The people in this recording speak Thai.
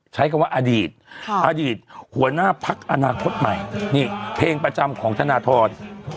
ใช้คำว่าอดีตอดีตหัวหน้าพักอนาคตใหม่นี่เพลงประจำของธนทร